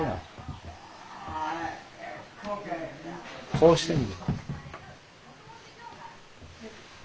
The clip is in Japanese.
こうしてみい。